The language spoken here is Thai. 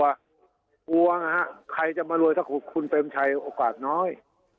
จะกลัวหากใครจะมารวยถ้าครุกคุณเติมใช้โอกาสน้อย